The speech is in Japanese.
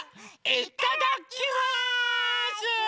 いただきます！